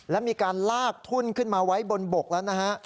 และมีการลากทุ่นขึ้นมาไว้บนบกแล้วนะฮะ